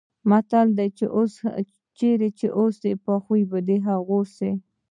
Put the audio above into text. متل دی: چې اوسې په خوی به د هغو شې.